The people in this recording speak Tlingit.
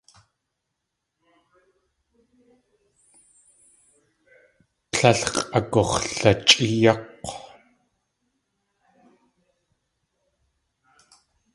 Tlél x̲ʼagux̲lachʼéeyák̲w.